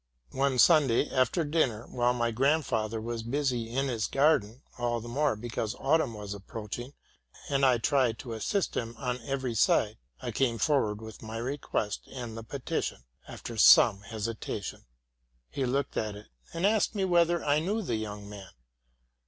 One Sunday, after dinner, while my grandfather was busy in his garden, all the more because autumn was approach ing, and I tried to assist him on every side, I came forward with my request and the petition, after some hesitation. He looked at it, and asked me whether I knew the young man.